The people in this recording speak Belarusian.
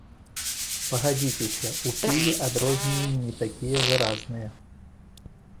Пагадзіцеся, у піве адрозненні не такія выразныя.